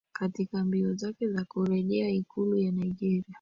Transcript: katika mbio zake za kurejea ikulu ya nigeria